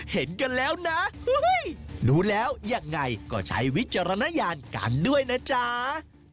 เห็นกันแล้วนะดูแล้วยังไงก็ใช้วิจารณญาณกันด้วยนะจ๊ะ